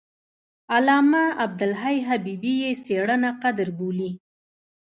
علامه عبدالحي حبیبي یې څېړنه قدر بولي.